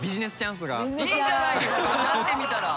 いいんじゃないですか出してみたら。